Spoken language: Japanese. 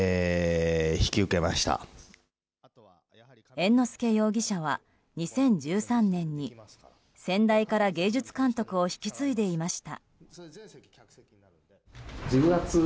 猿之助容疑者は２０１３年に先代から芸術監督を引き継いでいました。